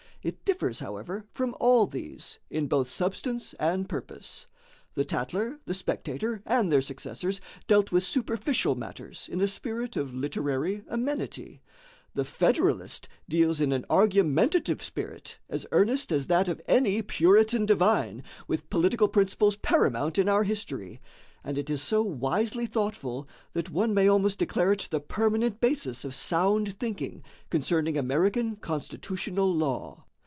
It differs, however, from all these, in both substance and purpose. The 'Tatler,' the 'Spectator,' and their successors dealt with superficial matters in a spirit of literary amenity: the 'Federalist' deals in an argumentative spirit as earnest as that of any Puritan divine with political principles paramount in our history; and it is so wisely thoughtful that one may almost declare it the permanent basis of sound thinking concerning American constitutional law.